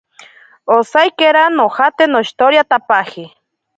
Osaikira nojate noshitoriatapaje.